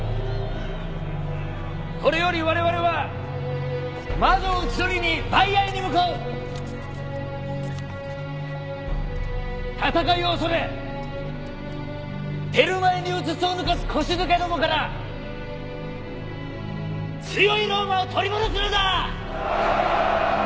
これより我々は魔女を討ち取りにバイアエに向かう戦いを恐れテルマエにうつつを抜かす腰抜けどもから強いローマを取り戻すのだ！